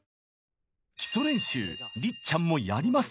基礎練習りっちゃんもやります！